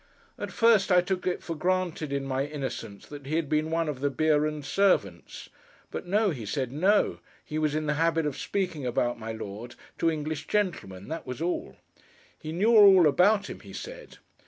At first, I took it for granted, in my innocence, that he had been one of the Beeron servants; but no, he said, no, he was in the habit of speaking about my Lord, to English gentlemen; that was all. He knew all about him, he said.